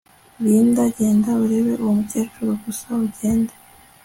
Linda genda urebe uwo mukecuru gusa ugende